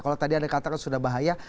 kalau tadi ada yang katakan sudah bahaya